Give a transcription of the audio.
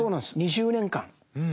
２０年間。